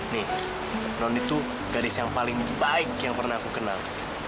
nih non itu gadis yang paling baik yang pernah aku kenal